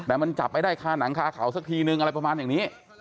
แต่มันจับไม่ได้คาหนังคาเขาสักทีนึงอะไรประมาณอย่างนี้